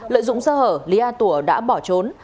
lợi dụng sơ hở lý a tủa đã bỏ trốn